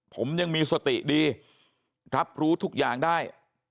ผมยังมีสติดีรับรู้ทุกอย่างได้